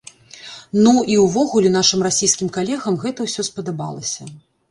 Ну, і ўвогуле нашым расійскім калегам гэта ўсё спадабалася.